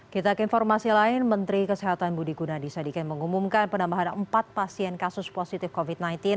kita ke informasi lain menteri kesehatan budi gunadisadikin mengumumkan penambahan empat pasien kasus positif covid sembilan belas